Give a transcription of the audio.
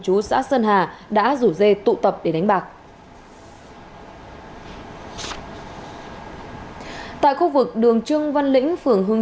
chú xã sơn hà đã rủ dê tụ tập để đánh bạc tại khu vực đường trương văn lĩnh phường hưng